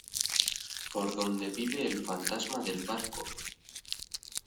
por donde vive el fantasma del barco.